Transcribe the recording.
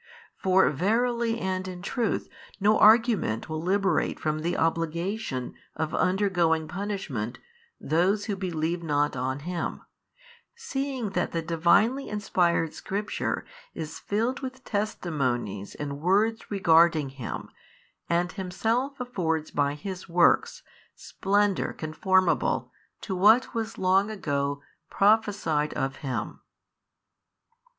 For verily and in truth no argument will liberate from the obligation of undergoing punishment those who believe not on Him, seeing that the |594 Divinely inspired Scripture is filled with testimonies and words regarding Him and Himself affords by His Works Splendour conformable to what was long ago prophesied of Him.